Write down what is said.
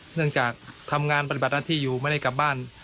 เนื่องจากทำงานปฏิบัติหน้าที่อยู่ไม่ได้กลับบ้าน